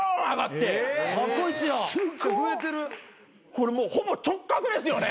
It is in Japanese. これもうほぼ直角ですよね？